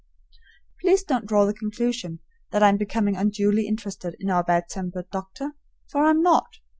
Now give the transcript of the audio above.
Please don't draw the conclusion that I am becoming unduly interested in our bad tempered doctor, for I'm not.